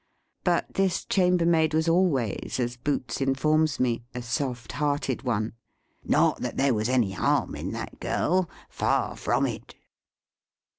But this chambermaid was always, as Boots informs me, a soft hearted one. Not that there was any harm in that girl. Far from it.